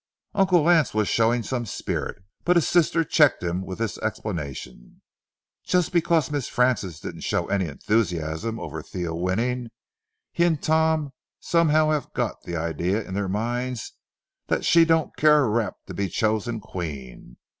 Uncle Lance was showing some spirit, but his sister checked him with this explanation: "Just because Miss Frances didn't show any enthusiasm over Theo winning, he and Tom somehow have got the idea in their minds that she don't care a rap to be chosen Queen.